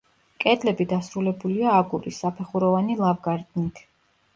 კედლები დასრულებულია აგურის, საფეხუროვანი ლავგარდნით.